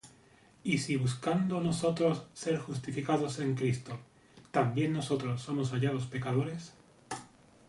Y si buscando nosotros ser justificados en Cristo, también nosotros somos hallados pecadores,